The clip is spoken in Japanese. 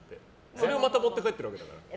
それをまた持って帰ってるわけだから。